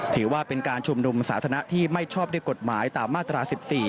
ถือว่าเป็นการชุมนุมสาธารณะที่ไม่ชอบด้วยกฎหมายตามมาตรา๑๔